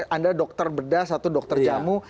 anda dokter bedah satu dokter jamu